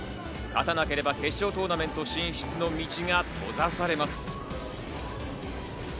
勝たなければ決勝トーナメント進出の道が閉ざされます。